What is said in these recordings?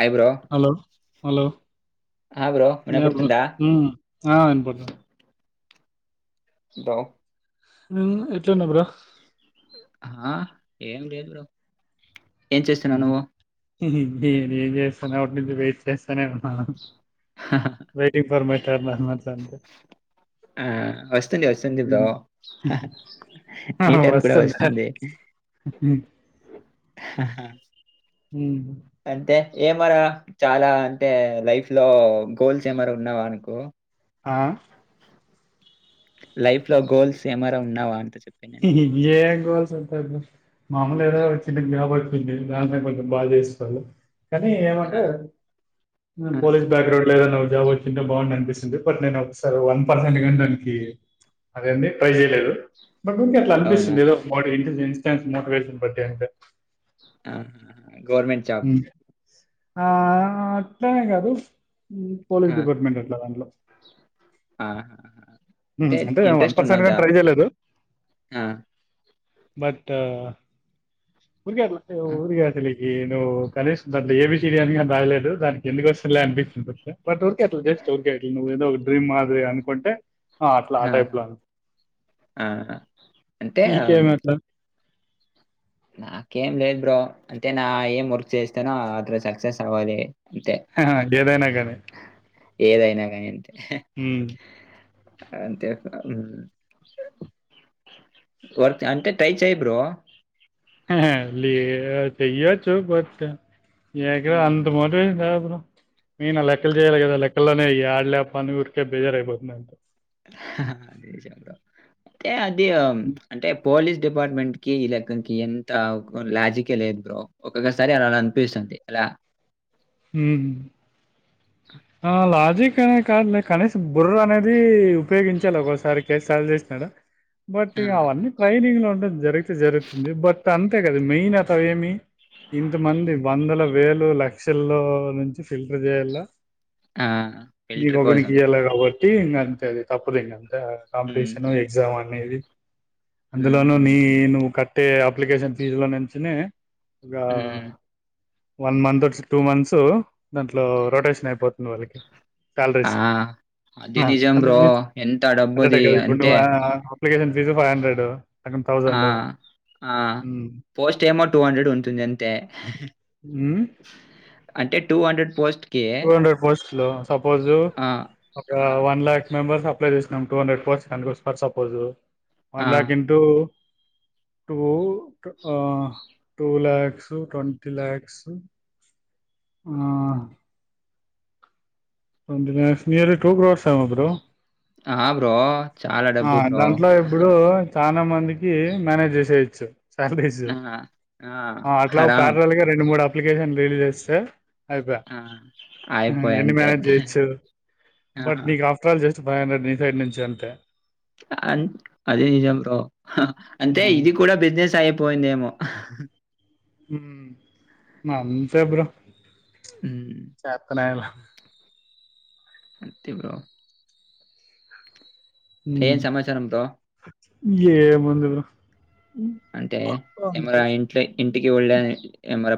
హా bro hello hello ఆ bro ఎ బ్రో వినపడుతుందా ఆ ా ఉ ఎట్లా ఉన్నా బ్రో హా ఏం లేదు బ్రో ఏం చేస్తున్నా నువ్వు ఇది ఏ న సటి ను వెయి ఇంకేంటి మల్ల వెయిటింగ్ ఫర్ మై ఆ వస్తుంది వస్తుంది బ్రో హ్మ్. ఆ! నీ టైం కూడా వస్తుందా? వస్తుంది హ్మ్. హ అంటే ఏమరా చాలా అంటే లైఫ్ లో గోల్స్ ఏమరా ఉన్నావా అనకు ఆ లైఫ్ లో గోల్స్ ఏమరా ఉన్నావా అంత చెప్పి నేను ఏ గోల్స్ అంతా మామలు ఏదా వచ్చి గ్యాబడుచ్చంది ద కొంచెం బాగా చేస్తకోు కానీ ఆ, ఏమంటే ఆ, పోలీస్ బ్యాక్గ్రౌండ్ లేదన్నా జాబ్ వచ్చింటే బాగు అనిపిస్తుంది బట్ నేను ఒకసారి వన్ పర్సెంట్ నీ దానికి అదీ ట్రై చేయలేదు బట్ మీంక ఎట్లా అవునా అనిపిస్తుందిదోీ ఇంటెజెన్స్ మోటివేషన్ పట్ అంట ఆహా గవర్మెంట్ జాబ్ ఆ అట్లనే కాదు పోలీస్ డిపార్ట్మెంట్ అట్లా దాంట్లో అంటే వన్ ఇంట్రెస్ట్ పర్సెంట్ ఉన్నావు ని జాబ్ ట్రై చేయలేదు ఆ, బట్ ఉఊరిగాలా ఆ, ఉరురిగాలి ఈ నువ్వు కనీసం అంట్ ఏ బీ సిరి అని కానీ తగలేదు దానికి ఎందుకు వస్తుందిలే అనిపిస్తుంది బట్ వరికే అట్లా జస్ట్ రికే అలు నువ్వేదో ఒకడ్రీమ్ మాది అనుకుంటే ఆ అట్లా ఆ టైప్ లో ఉ ఆ. అంటే ఇకేమిట్లా నాకేం లేదు బ్రో అంటే నా ఏం వర్క్ చేస్తానో అతడ సక్సెస్ అవ్వాలి అంతే ఏదైనా కానీ ఏదైనా కానీ హ అంతే వ అంతే టై చేై బ్రో లేలీ తయ్య చ్చ బట్ ఎక ఉమ్. అంత మరి నేను లెక్కలు చేయాలి కదా లెక్కల్లోనే ఆడలేప అని ఉరికే బేజార్ అయిపోతుందింత అదే చె అది అంటే పోలీస్ డిపార్ట్మెంట్ కి ఈ లెక్కకి ఎంత లాజికే లేదు బ్రో ఒక్కొక్కసారి అలా అనిపిస్తుంది అలా ఆ లాజక్ అకనే కాదులే కనీస బుర్ర అనేది ఉపయోగించాలి ఒసారి కేసు సాల్్ చేసినాడు బట్ ఇ అవన్నీ ట్రైనింగ్ లో ఉండడం జరిగితే జరుగుతుంది బట్ అంత మెయిన్ అతవ ఏమి ఇంతమంది వందల వేలు లక్ష మిక్ష లో నుంచి ఫిల్టర్ చేయలా ఆ మీ ఫిల్టర్ కోసం కకకి ఎాల కబర్ టీ ఇం అదు తప్పుదు ఎం కాంపిటీషన్ ఉమ్, ఎగ్జామ్ అనేది ఉమ్, అందులోనుూ ఉమ్, నీ ఉమ్, నువ్వు కట్టే అప్లికేషన్ ఫీజు లో నుంచి ఇంకా ఉమ్. వన్ మంత్ టూ మంత్స్ దాంట్లో రొటేషన్ అయిపోతుంది వాళ్ళకి ఆ సాలరీస్ అది నిజం అ బ్రో ఎంత కరక్టే డబ్బుది కదా ఇప్పుడు ను్ అంతే అప్లికేషన్ ఇది ఫైవ్ హండ్రెడ్ అక్కడ ఆ థౌజండ్ ఆ పోస్ట్ ఏమో టూ హండ్రెడ్ ఉంటుంది అంతే అ అంటే two hundred post two hundred post లో సపోజు ఆ! ఒక ఆ! వన్ లాక్ మెంబర్స్ అప్లై చేస్త నం టూ హండ్రెడ్ పోస్ట్ అనుకో ఫర్ సపోజు ఆ! వన్ లాక్ ఎంటూ టూ ఆ టూ లాక్స్ ట్వంటీ లాక్స్ ఆ twenty lakhs nearly two crores ఏమో బ్రో ఆ బ్రో చాలా డబ్బు బ్రో చాల మందికి మేనేజ్ చేసేయచ్చు సాలరీస్ ఆ! ఆ! అట్లా హరాం. పారల్గా రెండు మూడు అప్లికేషన్ రిలీజ్ చేస్తే ఆ అయిపాయె అంతే చ్చు బట్ ఆహా! నీకు ఆఫ్టర్ల్ జస్ట్ బై్రెడ్ నీ సైడ్ నుంచి అంతే అ అది నిజం బ్రో అంటే ఉమ్. ఇది కూడా బిజినెస్ అయిపోయిందేమో హ అంతే బ్రో హ్మ్. చేతనయలా అంతే బ్రో ఏం సమాచారం బ్రో ఏం ఉంది బ్రో అంటే అంతే ఎమన్నా ఇట్లా ఇంటికి ఒళే ఎమర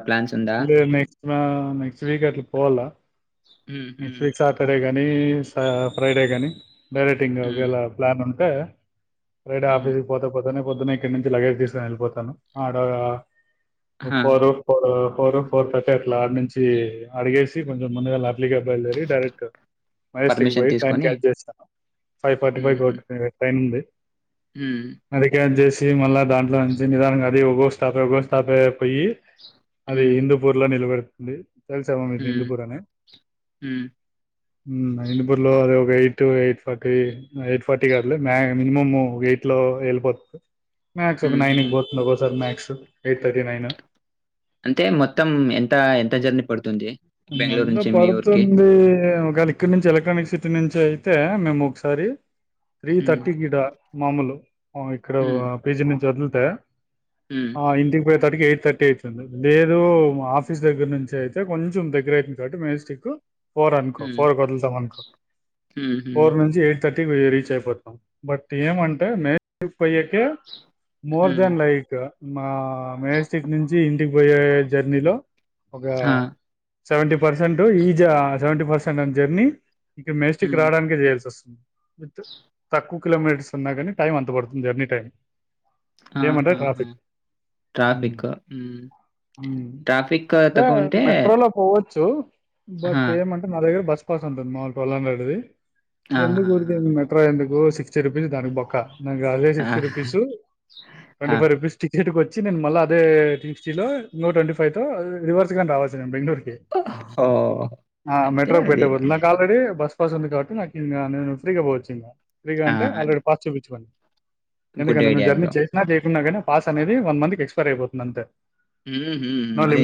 నెక్స్ట్ నెక్స్ట్ వీక్ అట్లా పోవాల హ్మ్. నెక్స్ట్ హ్మ్. వీక్ సాటర్డే గాని నీ ఫ్రైడే గానీ డైరెక్ట్ ఇంగ హ్మ్. ఒకవేల ప్లాన్ ఉంట టే రటే హ్మ్. ఆఫసిస్ కి పోత పోతే అందుకనే పొద్దున్న ఇక్కడి నుంచి లగేజ్ తీసుకొని వెళ్ళిపోతాను ఆడ ఆహా! ఒక్కరు [unintelligible] ఫర్ ఫోర్ ర్టీ అట్లా ఆడి నుంచి అడిగేసి కొంచెం ముందుగా మల్లీ అబ్బాయిలు చేరి డైరెక్ట్ మేష్కి పర్మిషన్ పోయి ట్రైన్ తీసుకొని క్యాచ్ చేస్తాను ఫైవ్ ఫార్టీ ఫైవ్ హుహు. ట్రైన్ ఉంది హ్మ్. అదక చేసి తి మళ్ళ దాంట్లో నుంచి నిదానంగా అది ఒకో గస్తా పే గుోస్తా పే పోయి అది హ్మ్. హిందూ పూర్లో నిలబడంది మీరు తెలుసా అమ్ మీ హ్మ్. దిందుపూరని హ్మ్. ఇనిప్పులో అదే ఒక ఎయి to eight forty eight forty కాదు మినిమము ఎయిట్ లో వెళ్ళిపోతుంది మ్యాథ్స్ ఒక హ్మ్. నైన్ కి హ్మ్. పోతుంది ఒకసార్ మథక్స్ ఎయిట్ పదినైనా అంటే మొత్తం ఎంత ఎంత జర్నీ పడుతుంది బెంగుళూరు మందా నుంచి మీ ఊరికి? పడుతుంది ఇక్కడ నుంచి ఎలక్ట్రానిక్ సిటీ నుంచి అయితే మేము ఒకసారి త్రీ హ్మ్. తర్టి కీడ మాముూలు ఇక్కడ హ్మ్. పీజీ నుంచి వలు త హ్మ్. ఆ ఇంటికి పేయ్ ప్పటికే ఎయిట్ థర్టీ అవుతుంది లేదు మా ఆఫీస్ దగ్గర నుంచి అయితే కొంచెం చెం దగ్గర అయితది కాబట్టి మేజస్టిక్ ఫోర్ అనుకో హ్మ్. ఫోర్ వదులుతాం అనుకో హుహు. ఫోర్ నుంచి ఎయిట్ థర్టీ రీచ్ అయిపోతాం బట్ ఏమంటే మే పైకి మోర్ హ్మ్. దెన్ లైక్ మా మెయస్టిక్ నుంచి ఇంటికి పోయే జర్నీలో ఒక ఆ! Seventy percent is seventy percent అని జర్నీ ఇక మెస్టిక్ హ్మ్. రావడానిక చేయయాల్సి వస్తుంది వి తక్కువ కిలోమీటర్స్ ఉన్నా కానీ టైం అంత పడుతుంది జర్నీ టైం ఏమంటే ఆహాహా ట్రాఫిక్ ట్రాఫిక్ అంటే ట్రాఫిక్ తక్కువ ఉంటే వచ్చు బట్ ఏమంటారు నా దగ బస్ అసంత మాములు ప అలాేది ఎందుకు గుఊరిది ఆహాహా! నింత్ర ఎందుకు సిక్స్టీ రూపీస్ దానికి బొక్కా నాకు అదే ఆ! సిక్స్టీ రుపీస్ ఆ! ట్వంటీ ఫైవ్ రూపీస్ టికెట్ కు వచ్చి నేను మళ్ళీ అదేంగ్ చిలో ఇ నో ట్ంటీ ఫైవ్ో రివర్స్ కానీ రావాలి మే బెంగళూరు ఓహ్! అంటే మెట్రో పెట్ట అది. పోదు నాంక ఆల్్రెడి బస్ స్వాసంంది కాట్టి నాకు నను ఫ్రీగా పో వచ్చ ఆ! త్రీగాంటే అది. ఆల్రెీ పా చూపించండి గుడ్ ఎందుకంటే మేము ఐడియా జర్నీ బ్రో. చేసినా చేయకుంన్నా కనీ పాస్ అనేది వన్ మ్ి ఎక్స్పైర్ అయిపోతుందింతే మదిే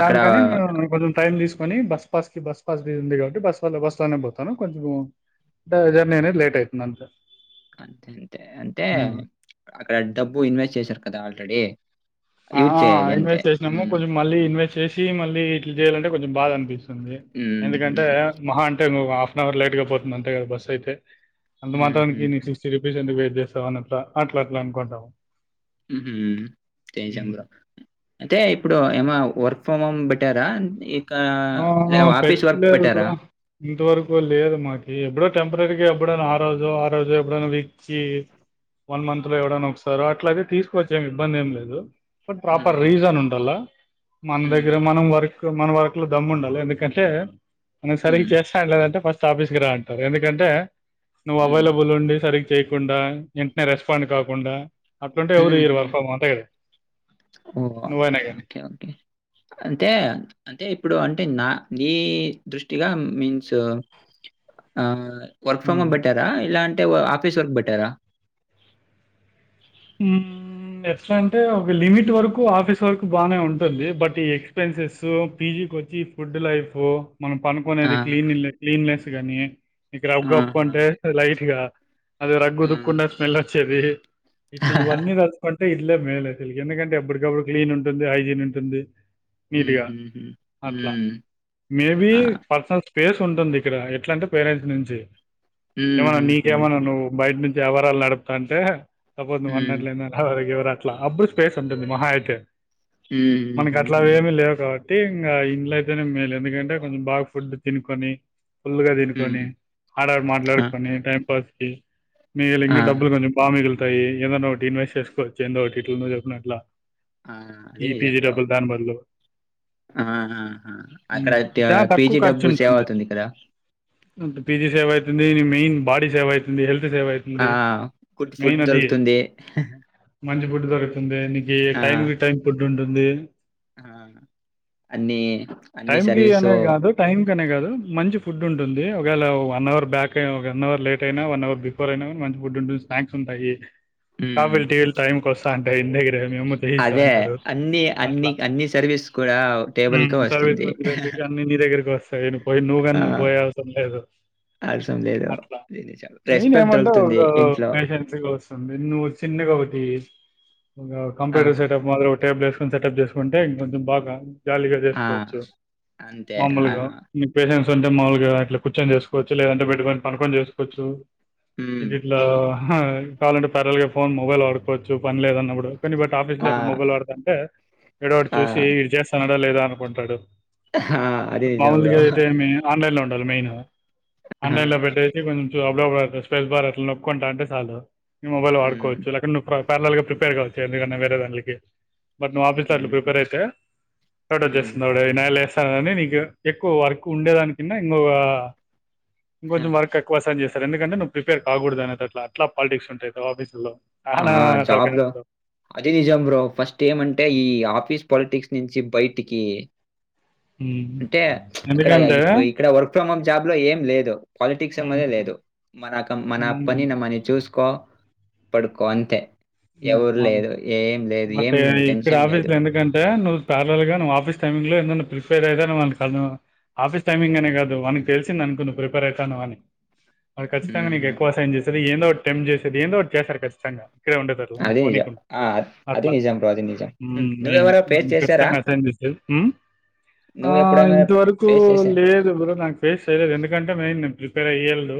అక్కడ కానీ మేము కొంచెం టైం తీసుకు ని బస్ పాస్ కి బస్ పాస్ బ ఉంది కాబట్టి బస్ వ బస్ లోనే పోతాను కొంచెం జర్నీ అనేది లేట్ అవుతుంది అంతక అంతే అంతే అంతే అక్కడ డబ్బు ఇన్వెస్ట్ చేసారు కదా ఆల్రెడీ ఆ యూజ్ చేయాలి అంతే. ఇన్వెస్ట్ చేసినాము హ్మ్. కొంచెం మళ్ళీ ఇన్వెస్ట్ చేసి మ ఇట్ చేయాలంటేంచెం బాగా అనిపిస్తుంది హుహు. ఎందుకంటే మొహా అంటేఫ్ అవర్ లేట్గా పోతుందింతే కా బస్ అయితే అంత హుహు. మాత్రానికి నీ సిక్స్టీరూపీస్ ఎందుకు చేసావనట్ల అట్ల అట్ల అనుకుంటాము. ఉహ్ హ్మ్. తేజంగా అంటే ఇప్పుడు ఏమ వర్క్ ఫో బట్ ట్టారా ఆ! ఆఫీస్ వర్క్ పెట్టలేదు పెట్టారా? బ్రో. ఇంతవరకు లేదు మాకి ఎప్పుడో టెంపరరీగా ఎప్పుడైనా ఆ రోజు ఆ రోజు ఎప్పుడైనా విచ్చి వన్ మంత్ లో ఎవడైనా ఒకసారో అట్లయితే తీసుకోవచ్చు. ఏం ఇబ్బంది ఏం లేదు. బట్ ప్రాపర్ హుహు. రీజన్ ఉండాలా మన దగ్గర హ్మ్. మనం వర్క్ మన వ దమ్ము ఉండాలె ఎందుకంటే? హ్మ్. [inaudible] ఆఫీస్కి రా అంటారు ఎందుకంటే? నువ్వు హ్మ్. అవైలబుల్ ఉండి సరిగ్ చేయకుండా ఏంట్నే రెస్పాండ్ కాకుండా అట్లుంటే ఎవరు ఇయ్యరు వర్క్ ఫ్రమ్ హోమ్ అంతే కదా ఓ నువ్వైనా ఓకే ఓకే అంటే అంటే ఇప్పుడు అంటే నా నీ దృష్టిగా మీన్స్ ఆ వర్క్ ఫ్రమ్ కానీ హోమ్ బెటరా ఇలాం ఆఫీస్ వర్క్ బెటరా హ్ ఎట్లలంటే ఒక లిమిట్ వరకు ఆఫీస్ వరకు బాగానే ఉంటుంది బట్ ఈ ఎక్స్పెన్సెస్ పీజీకి వచ్చి ఫుడ్ లైఫు మనం ఆ! పనుకునేది క్లీన్ క్లీన్లెస్ గనీ [inaudible] ఆహా! అంటే లైట్ ఇగ అది రగ్గు ఆ! ఉతుక్కున స్మెల్ చెవి ఇట్లివన్నీ తల్చుకుంటే ఇ ఇల్లే మేల్ అసల్కి ఎందుకంటే ఎప్పటికప్పుడు క్లీన్ ఉంటుంది. హైజీన్ ఉంటుంది. హ్మ్. నీట్గా హ్మ్. హ్మ్. అట్లా హ్మ్. మేబి ఆ! పర్సనల్ స్పేస్ ఉంటుంది ఇక్కడ ఎట్లా అంటే పేరెంట్స్ నుంచి. హ్మ్. ఏమన్నా హ్మ్. హ్మ్. నీకేమన్నా నువ్వు బయట్నుంచి ఎవ్వరాల్ నడప్ కంటే తప్ప హ్మ్. మట్లవ అట్లా అప్పుడు స్పేస్ ఉంటుంది మహాయితే హ్మ్. మనకి హ్మ్. హ్మ్. అట్లాగా హ్మ్. ఏమిీ లేవు కాబట్టి అయితే ఇంకా ఇంట్లో అయితేనే మేలు ఎందుకంటే కొంచెం బాగా ఫుడ్ తినుకొని ఫుల్ గా హ్మ్. తినుకొని ఆడ ఆడ ఆ! మాట్లాడుకొని టైం పాస్ ఈ మీలింగ ఆ! డబ్బులు కొంచం బా మిగులు ఆహ్ ఏదైన్నా ఒకటి ఇన్వెస్ట్ చేసుకోవచ్చు ఏందో ఒకటి ఇట్లు నువ్వు చెప్పినట్లా. ఆ! ఈ పిజీ డబ్బులు దాని బదులు ఆహా ఆ ఉమ్, అక్కడ చాలా తక్కువ పీజీ ఖర్చు డబ్బు సేవ్ ఉంటుంది అవుతుంది ఇక్కడా ఇది మెయిన్ బాడీ సేవ్ అయితుంది హెల్త్ సేవ్ ఆ! అవుతుంది గుడ్ ఫుడ్ మెయిన్ అది దొరుకుతుంది. మంచి ఫుడ్ దొరుకుతుంది నీ ఈ టైమ్ కి టైమ్ కు ఫుడ్ ఉంటుంది ఆహ్ అన్నీ అన్ని టైం కి అనే సర్వీసు కాదు టైం కనే కాదు మంచి ఫుడ్ ఉంటుంది ఉంటుంది ఒకవేళ వన్ అవర్ బ్యాక్ ఐన ఒక వన్ అవర్ లేట్ అయినా వన్ అవర్ బిఫోర్ అయినా మంచి ఫుడ్ ఉంటుంది స్నాక్స్ ఉంటాయి. హ్మ్. కాఫీలు టీలు టైమ్ కి వస్తాయి. ఏంది అదే అన్ని అన్ని అట్లా అన్ని సర్వీస్ కూడా టేబుల్ హ్మ్. కే వస్తాయి. అన్ని నీ దగ్గరకి వస్తాయి పోయి నువ్వు కాని ఆ! నువ్ పోయే అవసరం లేదు అవసరం లేదు. అట్లా ఇది నిజం. మెయిన్ గా రెస్పెక్ట్ ఏమంటే ఒక దొరుకుతుంది ఇంట్లో. పేషెన్సీ గా వస్తుంది నువ్వు చిన్నగా ఒకటి ఆ! కంప్యూటర్ సెట్అప్ మాళ్ళ ఒక టేబుల్ వేసుకని సెటప్ చేసుకుంటే ఇంకొంచెం బాగా జాలీగా ఆ! చేసుకోవచ్చు అంతే. ఆ! మామూలుగా నీ పేషంట్స్ అంటే మాములుగా ఇట్లా కూర్చొని చేసుకోవచ్చు లేదంటే బెడ్ పై పనుకొని చేసుకోవచ్చు. హ్మ్. ఇది ఇట్లా ఆహ్ కావాలంటే ప్యారల్గాఫ్ ఫోన్ మొబైల్ ఆడుకోవచ్చు పని లేదన్నప్పుడు. కాని బట్ ఆఫీస్ లో ఆ! అట్లా మొబైల్ వాడుతాంటే. ఎడ ఒకడు ఆ! చూసి ఇరు చేస్తాను. ఇంట్లో లేదా అనుకుంటాడు ఆ! అది నిజం బ్రో. మామూలుగా అయితే మే ఆన్లైన్ లో ఉంట తలమేన్ ఆ! ఆన్లైన్ లో పెట్టెసి కొంచెం అప్పుడ స్పేస్ బార్ అట్లా నొక్కకుంటా అంటే చాలు మొబైల్ హ్మ్. వాడుకోవచ్చు లేక నువ పర్లలుగా ప్రిపేర్ కావచ్చు ఎందుకన్నా వేరే దాంకి మరి నువ్వు ఆఫీస్ హుహు. ట్లు ప్రిపేర్ అయితే స్డ హ్మ్. వచ్చేస్తుా స్తానుని నీకు ఎక్కువ వర్క్ ఉండేదాని కిన్నా ఇంకొక ఇం ఆ! కొంచెం మర కక్వస అ చేస్త సార్ ఎకంటే నువ్ ప్రిపేర్ కాకడదు అయి అట్ అలా పాలిటిక్స్ ఉంటాయిా ఆఫీసులో ఆ జాబ్ లో అదిే నిజం రో ఫస్ట్ ఏమంటే ఈ హ్మ్. ఆఫీస్ పాలిటిక్స్ నుంచి బయటికి హ్మ్. అంటే అక్కడ ఎందుకంటే ఇక్కడ వర్క్ ఫ్రమ్ పిజాబ్లో ఏం లేదు పాలిటిక్స్ హ్మ్. అమద లేదు మన మన హ్మ్. పనినిమ్ మని చూసుకో పడుకోంత అంతే బట్ ఏం ఇక్కడ టెన్షన్ ఆఫీస్ లేదు. లో ఎందుకంటే నువ్వు పర్ల్గా ఆ! నువ్వు ఆఫీస్ టైమింగ్ లో ఎన్నా ప్రిపేర్ అవుతాను వాని క ఆఫీస్ టైమింగ్ అనే కాదు మనకి తెలిసింది అనుకు ప్రిపేర్ అవుతాను అని హుహు. మరిఖచ్చింగాీక్కువ సై చే ఏందో ఒక టెంప్ చేసేది ఏందో ఒకటి చేశారు ఖచ్చితంగా ఇడ అ అది నిజం. ఆ! అది నిజం బ్రో. అది నిజం. హ్మ్. మయి నువ్వెవరో ఫేస్ చేసారా? నువ్వు ఎప్పుడైనా ఇంతవరకు ఫేస్ చేసా లేదు బ నాకు ఫేస్ చేయలేదు ఎందుకంటే మె ఇర ఏళ్డు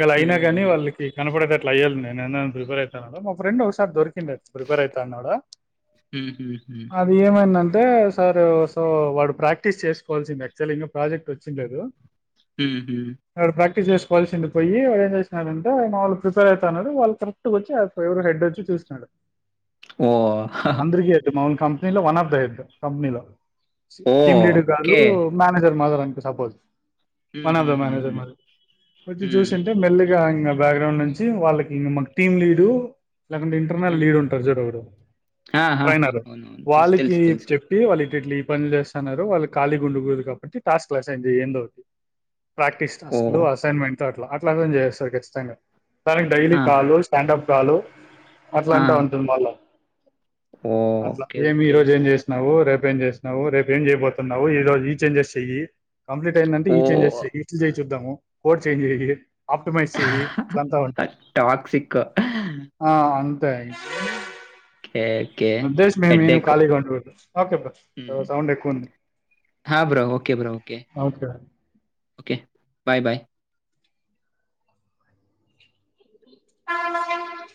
ఇంళ అయినా కానీ వాళ్ళకి కనపడతే అలా అయ్యాలి నను ప్రపేర్ అయితు మా ఫ్రెం దొరి ప్రిపేర్ అయిా అది ఏమైందంటే సార్ సో ఇప్పు ప్రాక్టీస్ చేసుకోవాల్సింది క్చుల్ ఇకా ప్రాజెక్ట్ వచ్చిందిలేదు హ చేసుకోవాల్సింది పోయి వాు ఏం చేినారే ఆయన వాళ్ు ప్రిపేర్ అవుతున్నారు వాళ కరెక్ట్ వచ్చి ఎవరు హెడ్చ్చ చూస్తున్నాాడు ఓ అందరికిదు మాౌన్కాం వన్ ఆఫ్ ద హెడ్ కంపెనీలో ఓ టీమ్ లీడర్ కాదు ఓకే మేనేజర్ మాత్రం suppose one of the manager మరి వి చూసింటే మెల్లిగా ఇ బ్యాక్గ్రౌండ్ నుంచి వాళ్ళకి ఇ మకు టీమ్ లీడు లేకుంటే ఇంటర్నల్ లీడ్ ఉంటారు చూడ ఒకడు ఆహా ట్రైనర్ అవునవును తెలుసు వాళ్ళకి తెలుసు తెలుసు చెప్పి వాళ్ళకి ట్లు ఈ పనులు చేస్తుారో వాళ్ళు ఖాళీ ఉంండకదు కాబట్టి టాస్క్ సయ అతి ప్రాక్టీస్ టాస్ ఓ లు అసైన్మెంట్ అట్లా అట్లాగాం చేస్తారు ఖచ్చితంగా త డైలీ ఆ కాలు స్టాండ్ప్ కాలో అట్లా ఆ అంటా ఉంటుంది వాళ్ళ ఓ అట్లా ఓకే ఏమి ఈ ఓకే రోజు ఏం చేసినవు రేపేం చేసినవు రేపు ఏం చేయబతున్నావు ఈ రోజు ఈ చేంజెస్ చెయ్యి కంప్లీట్ అయిందంటే ఓ ఈ చేంజెస్ ఇ చేయి చూద్దాము కోర్ చేయింజ చే ఆప్టిమైజ్ చెయ్యి ఇట్లంతా ఉంటాయి టాక్సిక్ ఆ అంతే ఓకే ఓకే ఉద్దేశంే నేను హెడ్ఏక్ ఖాళీగా ఓకే బ సౌండ్ ఎక్కువంది హా బ్రో ఓకే బ్రో ఓకే బ ఓకే బాయ్ బాయ్ అవునావునా